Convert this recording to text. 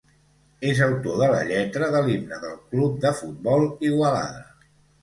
És autor de la lletra de l'himne del Club de Futbol Igualada.